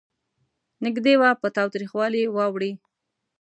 نږدې وه په تاوتریخوالي واوړي.